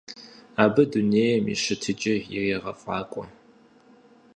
Абы дунейм и щытыкӀэр ирегъэфӀакӀуэ.